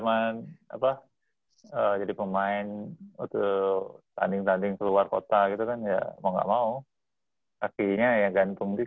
makanya waktu dulu waktu zaman apa jadi pemain untuk tanding tanding di luar kota gitu kan ya mau nggak mau kakinya ya gantung dikit pak